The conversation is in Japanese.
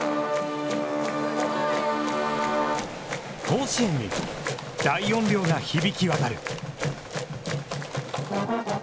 甲子園に大音量が響き渡る。